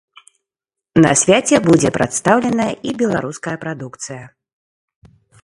На свяце будзе прадстаўленая і беларуская прадукцыя.